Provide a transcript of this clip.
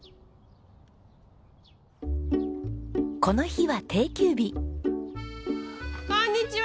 この日は定休日。